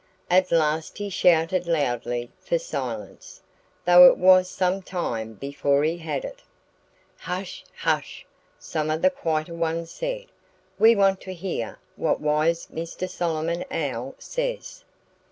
At last he shouted loudly for silence, though it was some time before he had it. "Hush! hush!" some of the quieter ones said. "We want to hear what wise Mr. Solomon Owl says."